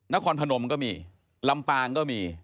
นครพนมก็มีลำปางก็มี